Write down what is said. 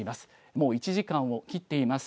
もう１時間を切っています。